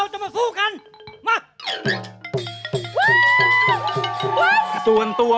วู้ววว